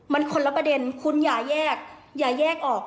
มันคนละประเด็นคุณอย่าแยกอย่าแยกออก